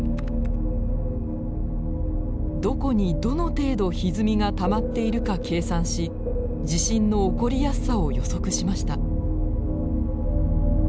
どこにどの程度ひずみがたまっているか計算し地震の起こりやすさを予測しました。